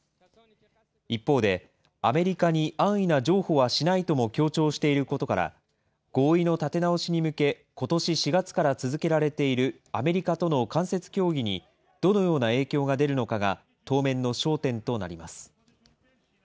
一方で、アメリカに安易な譲歩はしないと強調していることから、合意の立て直しに向け、ことし４月から続けられているアメリカとの間接協議に、どのような影響が出るのかが当面の焦点となります。